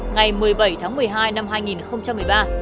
ngày một mươi bảy tháng một mươi hai năm hai nghìn một mươi ba